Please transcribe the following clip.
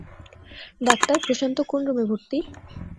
Doctor, Prashanta কোন রুমে ভর্তি?